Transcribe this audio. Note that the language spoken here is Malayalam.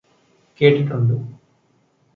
കേട്ടിട്ടുണ്ട്